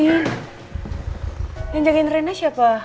yang jagain trennya siapa